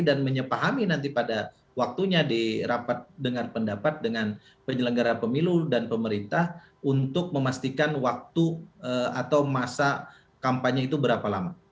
dan menyepahami nanti pada waktunya di rapat dengan pendapat dengan penyelenggara pemilu dan pemerintah untuk memastikan waktu atau masa kampanye itu berapa lama